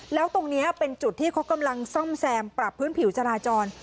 แล้วตรงนี้เป็นจุดที่เขากำลังซ่อมแซมปรับพื้นผิวจราจร